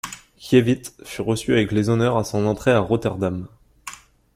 Kievit fut reçu avec les honneurs à son entrée à Rotterdam.